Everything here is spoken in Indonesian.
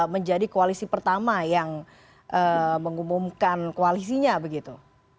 menjadi koalisi pertama yang mengumumkan koalisinya begitu